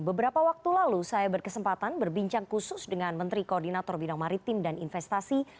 beberapa waktu lalu saya berkesempatan berbincang khusus dengan menteri koordinator bidang maritim dan investasi